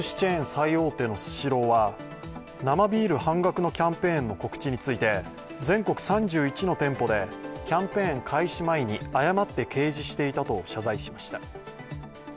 最大手のスシローは生ビール半額のキャンペーンの告知について、全国３１の店舗でキャンペーン開始前に誤って掲示していたと謝罪しました。